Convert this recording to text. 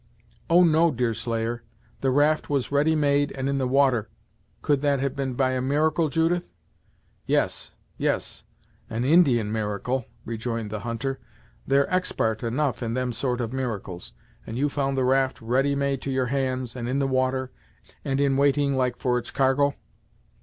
"Oh! no, Deerslayer. The raft was ready made and in the water could that have been by a miracle, Judith?" "Yes yes an Indian miracle," rejoined the hunter "They're expart enough in them sort of miracles. And you found the raft ready made to your hands, and in the water, and in waiting like for its cargo?"